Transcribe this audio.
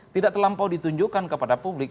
tidak terlampau ditunjukkan kepada publik